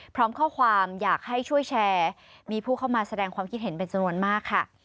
พร้อมข้อความอยากให้ช่วยแชร์มีผู้เข้ามาแสดงความคิดเห็นเป็นจำนวนมากค่ะ